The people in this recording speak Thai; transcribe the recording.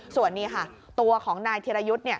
ส่วนนี้ค่ะตัวของนายธิรยุทธ์